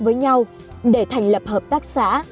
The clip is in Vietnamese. với nhau để thành lập hợp tác xã